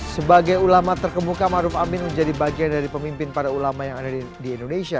sebagai ulama terkemuka maruf amin menjadi bagian dari pemimpin para ulama yang ada di indonesia